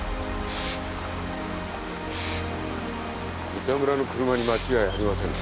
三田村の車に間違いありませんね。